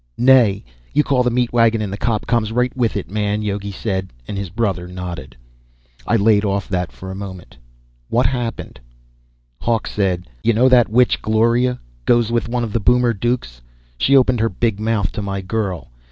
"Nay. You call the meat wagon, and a cop comes right with it, man," Yogi said, and his brother nodded. I laid off that for a moment. "What happened?" Hawk said, "You know that witch Gloria, goes with one of the Boomer Dukes? She opened her big mouth to my girl.